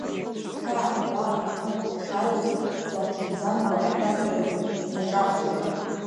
Хьаак-баак ҳамамкәа ҳшааиуаз ҳгәаҳҽанӡамкәа ашәарҭара ду ҳнаҿаҳаит.